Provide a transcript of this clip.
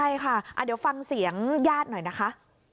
ใช่ค่ะเดี๋ยวฟังเสียงญาติหน่อยนะคะ